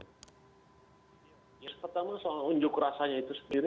ya pertama soal unjuk rasanya itu sendiri